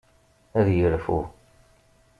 Ad yerfu.